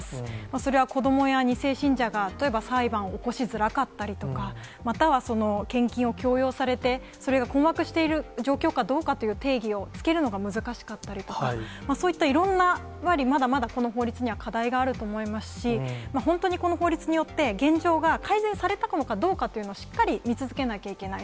それは子どもや２世信者が、例えば裁判を起こしづらかったりだとか、または献金を強要されて、それが困惑している状況かどうかという定義をつけるのが難しかったりとか、そういったいろんな、やはりまだまだこの法律には課題があると思いますし、本当にこの法律によって、現状が改善されたのかどうかというのを、しっかり見続けなきゃいけない。